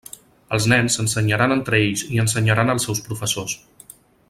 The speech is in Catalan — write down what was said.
Els nens s'ensenyaran entre ells i ensenyaran als seus professors.